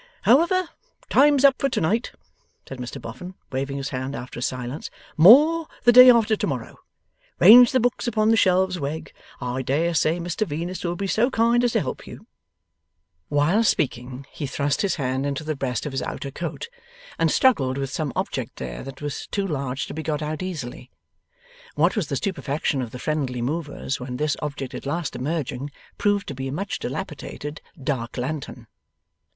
'However, time's up for to night,' said Mr Boffin, waving his hand after a silence. 'More, the day after to morrow. Range the books upon the shelves, Wegg. I dare say Mr Venus will be so kind as help you.' While speaking, he thrust his hand into the breast of his outer coat, and struggled with some object there that was too large to be got out easily. What was the stupefaction of the friendly movers when this object at last emerging, proved to be a much dilapidated dark lantern!